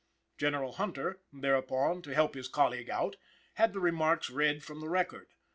General Hunter, thereupon, to help his colleague out, had the remarks read from the record.